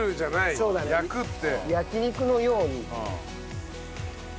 焼肉のように。